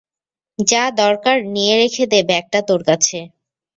যা দরকার নিয়ে রেখে দে ব্যাগটা তোর কাছে।